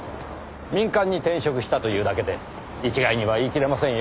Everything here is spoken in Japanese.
民間に転職したというだけで一概には言い切れませんよ。